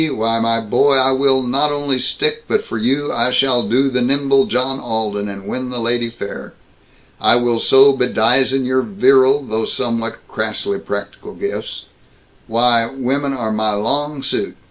Why, my boy, I will not only stick, but for you, I shall do the nimble John Alden and win the lady fair. I will so bedizen your virile, though somewhat crassly practical gifts Why, women are my long suit.